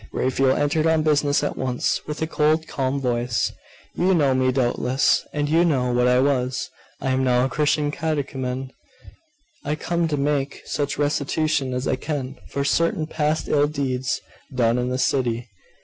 Raphael entered on business at once, with a cold calm voice. 'You know me, doubtless; and you know what I was. I am now a Christian catechumen. I come to make such restitution as I can for certain past ill deeds done in this city.